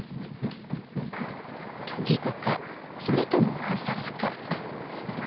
事故か、それとも暗殺か。